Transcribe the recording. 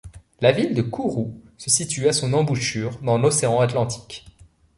La ville de Kourou se situe à son embouchure dans l'océan Atlantique.